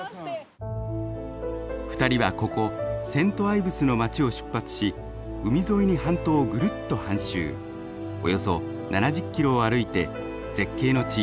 ２人はここセント・アイブスの街を出発し海沿いに半島をぐるっと半周およそ７０キロを歩いて絶景の地